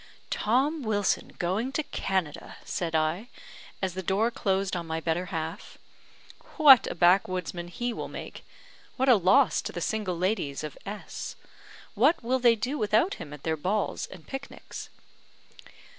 "Tom Wilson going to Canada!" said I, as the door closed on my better half. "What a backwoodsman he will make! What a loss to the single ladies of S ! What will they do without him at their balls and picnics?"